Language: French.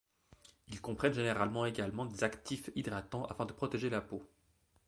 Ils comprennent généralement également des actifs hydratants afin de protéger la peau.